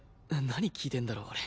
何聞いてんだろ俺。